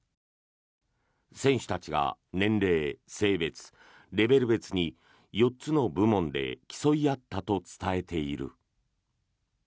選手たちが年齢、性別、レベル別に４つの部門で競い合ったと伝えている。